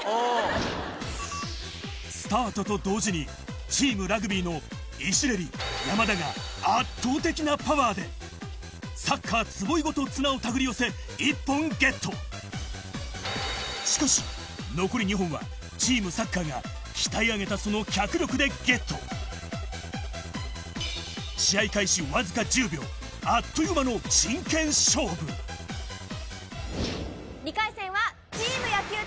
スタートと同時にチームラグビーのイシレリ山田が圧倒的なパワーでサッカー坪井ごと綱を手繰り寄せしかし残り２本はチームサッカーが鍛え上げたその脚力でゲットわずかあっという間の真剣勝負２回戦は。